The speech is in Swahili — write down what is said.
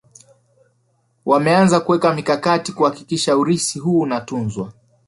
Wameanza kuweka mikakati kuhakikisha urithi huu unatunzwa